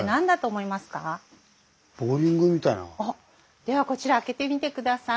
ではこちら開けてみて下さい。